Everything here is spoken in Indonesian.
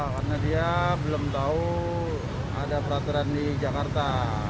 karena dia belum tahu ada peraturan di jakarta